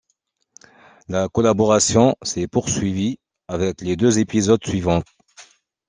La collaboration s'est poursuivie avec les deux épisodes suivants.